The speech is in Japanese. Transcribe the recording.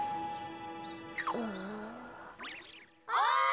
ああ。